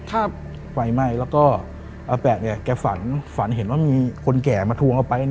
แล้วก็เป๊ย์แกฝันเห็นว่ามีคนแก่มาทวงเอาไป